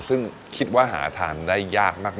ซึ่งคิดว่าหาทานได้ยากมาก